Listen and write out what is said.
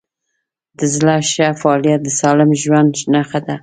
د زړه ښه فعالیت د سالم ژوند نښه ده.